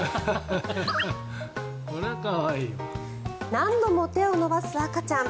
何度も手を伸ばす赤ちゃん。